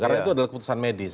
karena itu adalah keputusan medis